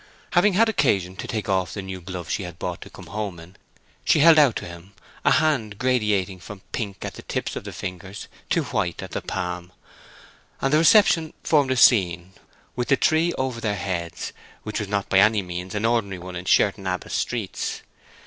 Having had occasion to take off the new gloves she had bought to come home in, she held out to him a hand graduating from pink at the tips of the fingers to white at the palm; and the reception formed a scene, with the tree over their heads, which was not by any means an ordinary one in Sherton Abbas streets.